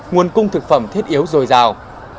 nguồn cung thực phẩm thiết yếu rồi rào